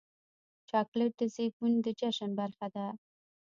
چاکلېټ د زیږون د جشن برخه ده.